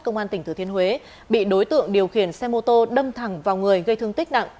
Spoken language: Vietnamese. công an tỉnh thừa thiên huế bị đối tượng điều khiển xe mô tô đâm thẳng vào người gây thương tích nặng